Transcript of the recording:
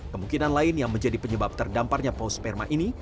kemungkinan lain yang menjadi penyebab terdamparnya paus sperma ini